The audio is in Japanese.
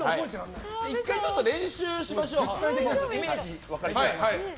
１回練習しましょう。